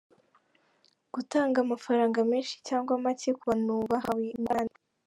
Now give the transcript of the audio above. Gutanga amafaranga menshi cyangwa make ku bantu bahawe ingurane.